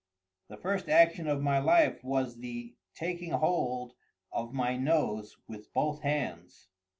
The first action of my life was the taking hold of my nose with both hands.